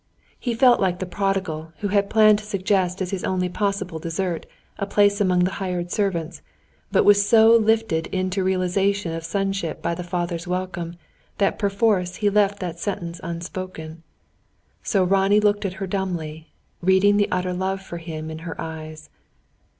He felt like the prodigal, who had planned to suggest as his only possible desert, a place among the hired servants, but was so lifted into realisation of sonship by the father's welcome, that perforce he left that sentence unspoken. So Ronnie looked at her dumbly, reading the utter love for him in her eyes.